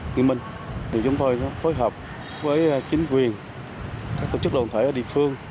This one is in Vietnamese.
nguyên minh điều chúng tôi phối hợp với chính quyền các tổ chức đồn thẩy ở địa phương